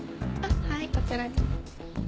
はいこちらで。